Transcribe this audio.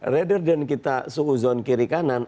rather than kita suhu zone kiri kanan